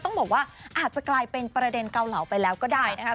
ต้องบอกว่าอาจจะกลายเป็นประเด็นเกาเหลาไปแล้วก็ได้นะคะ